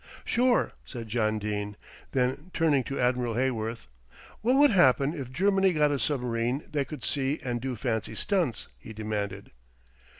"Sure," said John Dene; then turning to Admiral Heyworth, "What would happen if Germany got a submarine that could see and do fancy stunts?" he demanded.